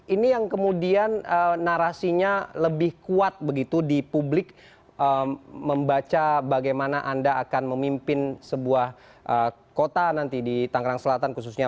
ini yang kemudian narasinya lebih kuat begitu di publik membaca bagaimana anda akan memimpin sebuah kota nanti di tangerang selatan khususnya